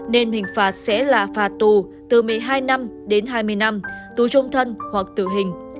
nên hình phạt sẽ là phạt tù từ một mươi hai năm đến hai mươi năm tù trung thân hoặc tử hình